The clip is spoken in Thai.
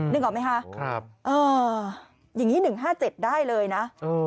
นึกออกไหมคะอย่างนี้๑๕๗ได้เลยนะ